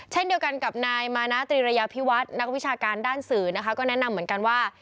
เช่นเดียวกันกับนายมานาตรีระยะพิวัฒน์นักวิชาการด้านสื่อนะคะก็แนะนำเหมือนกันว่า